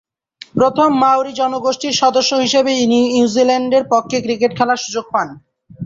প্রথম মাওরি জনগোষ্ঠীর সদস্য হিসেবে নিউজিল্যান্ডের পক্ষে ক্রিকেট খেলার সুযোগ পান।